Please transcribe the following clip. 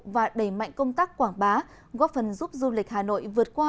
và đẩy mạnh công tác quảng bá góp phần giúp du lịch hà nội vượt qua